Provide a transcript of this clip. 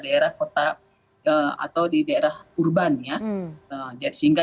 dan nanti kita akan mengecek bahwa sekolah sekolah yang memang bermasalah